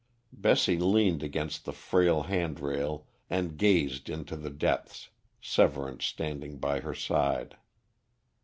Bessie leaned against the frail handrail and gazed into the depths, Severance standing by her side.